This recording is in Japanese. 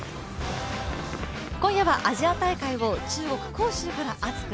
今夜はアジア大会を中国・杭州から熱く！